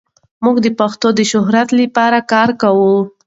موږ د پښتو د شهرت لپاره کار کوو.